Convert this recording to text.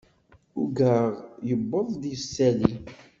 Uggaɣ yewweḍ-d yisalli.